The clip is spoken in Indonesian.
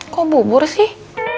kok bubur sih